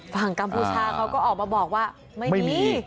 กัมพูชาเขาก็ออกมาบอกว่าไม่มี